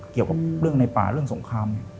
เกี่ยวกับเรื่องในป่าเรื่องสงคราม